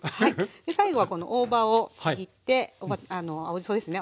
最後はこの大葉をちぎって青じそですね